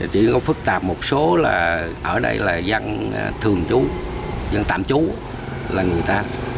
chỉ có phức tạp một số là ở đây là dân thường trú dân tạm trú là người ta